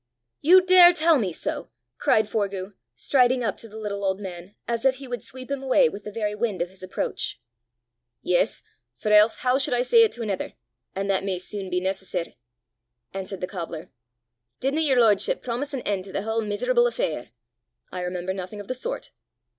"You dare tell me so!" cried Forgue, striding up to the little old man, as if he would sweep him away with the very wind of his approach. "Yes; for else how should I say it to another, an' that may soon be necessar'!" answered the cobbler. "Didna yer lordship promise an en' to the haill meeserable affair?" "I remember nothing of the sort."